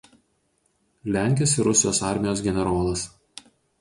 Lenkijos ir Rusijos armijos generolas.